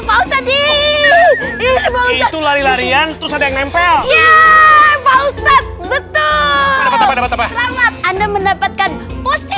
betul anda mendapatkan posisi